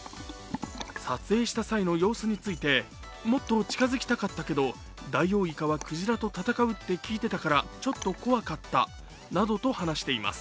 撮影した際の様子について、もっと近づきたかったけどダイオウイカは鯨と戦うって聞いてたからちょっと怖かったなどと話しています。